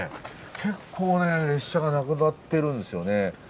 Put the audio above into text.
結構列車がなくなってるんですよね。